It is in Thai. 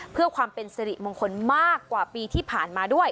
เพื่อความเป็นสิริมงคลมากกว่าปีที่ผ่านมาด้วย